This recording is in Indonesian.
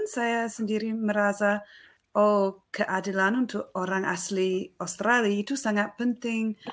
saya sendiri merasa keadilan untuk orang asli australia itu sangat penting